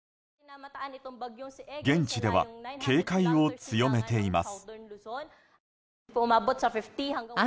現地では警戒を強めています。